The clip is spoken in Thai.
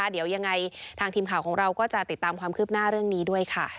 เดี๋ยวยังไงทางทีมข่าวของเราก็จะติดตามความคืบหน้าเรื่องนี้ด้วยค่ะ